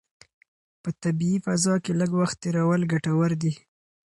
په طبیعي فضا کې لږ وخت تېرول ګټور دي.